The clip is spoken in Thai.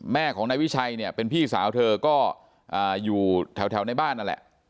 แม่ของนายวิชัยเนี่ยเป็นพี่สาวเธอก็อยู่แถวในบ้านนั่นแหละ